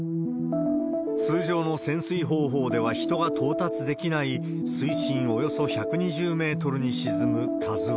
通常の潜水方法では人が到達できない、水深およそ１２０メートルに沈むＫＡＺＵＩ。